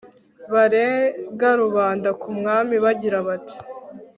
barega rubanda ku mwami bagira bati